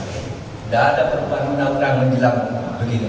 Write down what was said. gak ada perubahan mudah mudahan menjelang begini